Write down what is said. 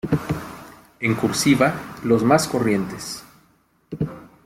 En "cursiva", los más corrientes.